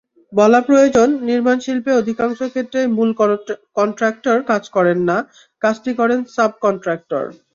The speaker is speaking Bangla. বলা প্রয়োজন, নির্মাণশিল্পে অধিকাংশ ক্ষেত্রেই মূল কনট্রাক্টর কাজ করেন না, কাজটি করেন সাব-কনট্রাক্টর।